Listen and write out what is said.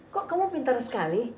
kok kamu pintar sekali